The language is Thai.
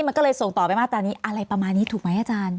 มันก็เลยส่งต่อไปมาตรานี้อะไรประมาณนี้ถูกไหมอาจารย์